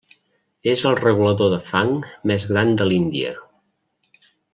És el regulador de fang més gran de l'Índia.